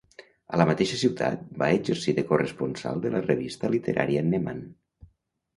A la mateixa ciutat va exercir de corresponsal de la revista literària ‘Neman’.